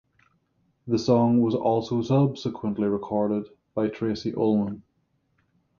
The song was also subsequently recorded by Tracey Ullman.